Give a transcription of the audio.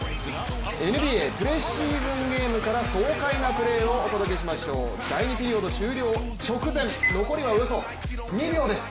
ＮＢＡ、プレシーズンゲームから爽快なプレーをお届けしましょう第２ピリオド終了直前残りはおよそ２秒です。